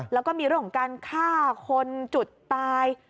แล้วก็มีเรื่องของการฆ่าคนจุดตาย